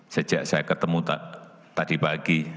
sejak saya ketemu tadi pagi